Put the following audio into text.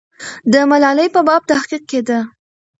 د ملالۍ په باب تحقیق کېده.